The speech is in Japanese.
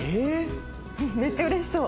めっちゃ嬉しそう。